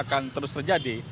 yang terus terjadi